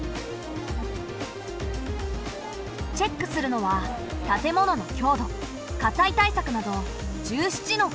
チェックするのは建物の強度火災対策など１７の項目。